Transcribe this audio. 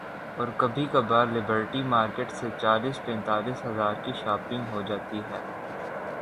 اورکبھی کبھار Liberty market سے چالیس پینتالیس ہزار کی شاپنگ ہو جاتی ہے۔